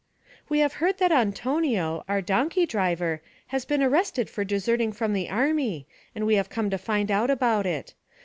'We have heard that Antonio, our donkey driver, has been arrested for deserting from the army and we have come to find out about it.